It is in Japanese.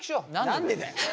何でだよ。